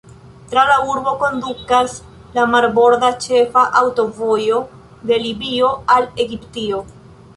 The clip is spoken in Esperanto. Tra la urbo kondukas la marborda ĉefa aŭtovojo de Libio al Egiptio.